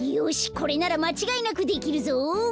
これならまちがいなくできるぞ。